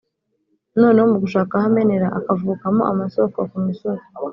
noneho mu gushaka aho amenera akavubukamo amasoko ku misozi.